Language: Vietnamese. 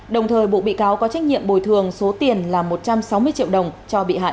đồng thời bộ bị cáo có trách nhiệm bồi thường số tiền là một trăm sáu mươi triệu đồng cho bị hại